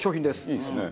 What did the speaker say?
いいですね。